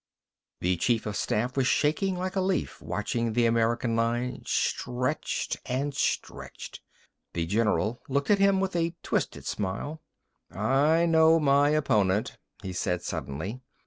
The chief of staff was shaking like a leaf, watching the American line stretched, and stretched.... The general looked at him with a twisted smile. "I know my opponent," he said suddenly.